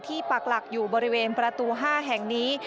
ปักหลักอยู่บริเวณประตู๕แห่งนี้